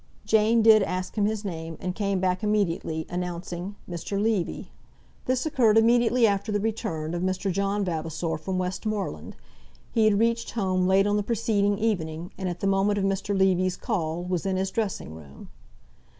Jane did ask him his name, and came back immediately, announcing Mr. Levy. This occurred immediately after the return of Mr. John Vavasor from Westmoreland. He had reached home late on the preceding evening, and at the moment of Mr. Levy's call was in his dressing room.